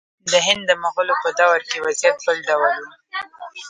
د هند د مغولو په دور کې وضعیت بل ډول و.